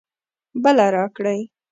بله راکړئ